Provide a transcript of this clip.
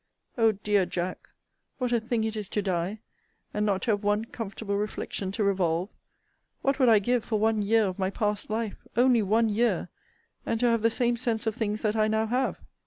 O dear Jack! what a thing it is to die; and not to have one comfortable reflection to revolve! What would I give for one year of my past life? only one year and to have the same sense of things that I now have?